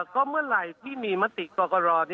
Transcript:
ก็เมื่อไหร่ที่มีมติกรกรอนี่